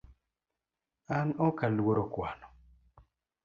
An ok aluoro kwano